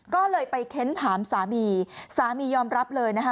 ก็เลยไปเค้นถามสามีสามียอมรับเลยนะคะ